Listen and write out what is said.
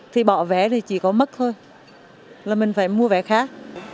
thì bỏ vé thì chỉ có mất thôi là mình phải mua vé khác